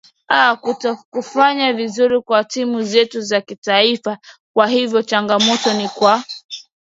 aa kutokufanya vizuri kwa timu zetu za taifa kwa hivyo changamoto ni kwa